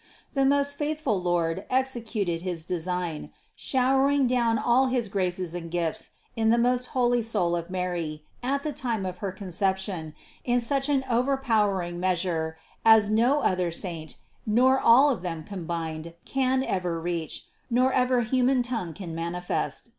The most faith ful Lord executed his design, showering down all his graces and gifts in the most holy soul of Mary at the time of her Conception in such an overpowering meas ure as no other saint, nor all of them combined, can ever reach, nor ever human tongue can manifest.